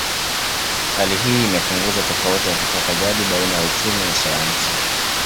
Hali hii imepunguza tofauti ya kutoka jadi baina ya uchumi na sayansi